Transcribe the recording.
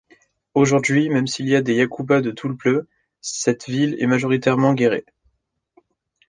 Aujourd'hui même s'il y a des Yacouba de Toulepleu, cette ville est majoritairement Guéré.